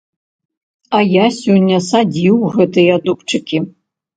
А я сёння садзіў гэтыя дубчыкі.